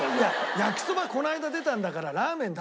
焼きそばこの間出たんだからラーメン出してよ